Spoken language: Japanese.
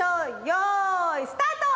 よいスタート！